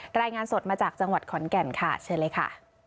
รายงานสดมาจากจังหวัดขอนแก่นค่ะเชิญเลยค่ะ